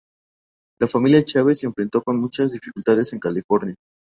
La familia Chávez se enfrentó con muchas dificultades en California.